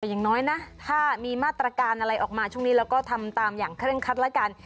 แต่อย่างน้อยนะถ้ามีมาตรการอะไรออกมาช่วงนี้เราก็ทำตามอย่างเคร่งคัดแล้วกัน